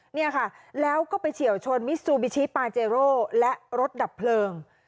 เนี่ยค่ะแล้วก็ไปเฉียวชนมิซูบิชิปาเจโร่และรถดับเพลิง